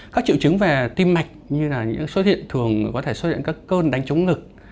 các triệu chứng về tim mạch như là những xuất hiện thường có thể xuất hiện các cơn đánh chống ngực